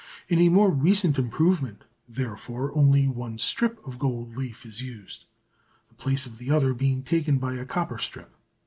In a more recent improvement, therefore, only one strip of gold leaf is used, the place of the other being taken by a copper strip.